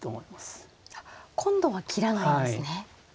あっ今度は切らないんですね。